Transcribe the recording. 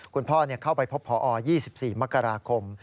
คุณพ่อเข้าไปพบพอ๒๔มกราคม